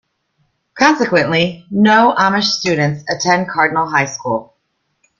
Consequently, no Amish students attend Cardinal High School.